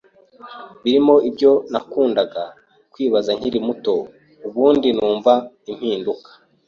birimo ibyo nakundaga kwibaza nkiri muto ubundi numva impinduka